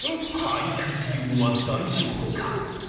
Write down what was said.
肺活量は大丈夫か？